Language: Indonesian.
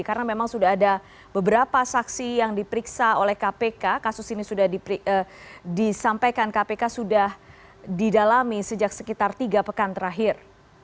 karena memang sudah ada beberapa saksi yang diperiksa oleh kpk kasus ini sudah disampaikan kpk sudah didalami sejak sekitar tiga pekan terakhir